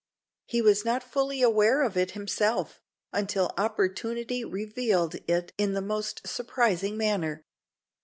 He was not fully aware of it himself, until opportunity revealed it in the most surprising manner.